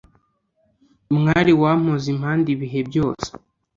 Mwari wampoze impande ibihe byose